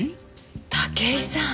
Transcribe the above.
武井さん。